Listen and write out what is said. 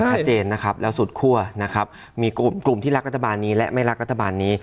ชัดเจนนะครับแล้วสุดคั่วนะครับมีกลุ่มกลุ่มที่รักรัฐบาลนี้และไม่รักรัฐบาลนี้